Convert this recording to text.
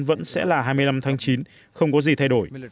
vẫn sẽ là hai mươi năm tháng chín không có gì thay đổi